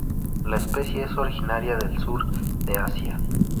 La especie es originaria del sur de Asia.